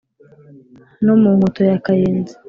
No mu Nkoto ya Kayenzi